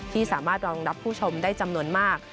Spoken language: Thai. ที่สามารถรองรับผู้ชมได้จำนวนมาก